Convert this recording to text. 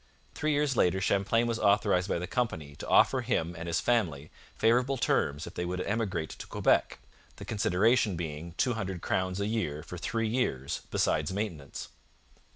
Three years later Champlain was authorized by the company to offer him and his family favourable terms if they would emigrate to Quebec, the consideration being two hundred crowns a year for three years, besides maintenance.